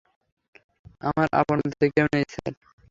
আমার আপন বলতে কেউ নেই, স্যার।